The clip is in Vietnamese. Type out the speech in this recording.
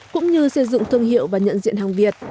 cũng như xây dựng thương hiệu và nhận diện hàng việt